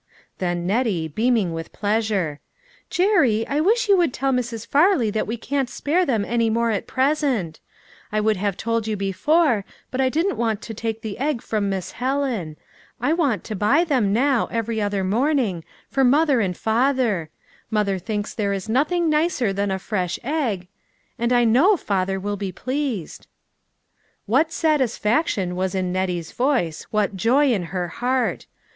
Then Nettie, beaming with pleasure, " Jerry, I wish you would tell Mrs. Farley that we can't spare them any more at present ; I would have told you before, but I didn't want to take the egg from Miss Helen ; I want to buy them now, every other morning, for mother and father ; mother thinks there is nothing nicer than a fresh egg, and I know father will be pleased." What satisfaction was in Nettie's voice, what joy in her heart